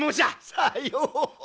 さよう！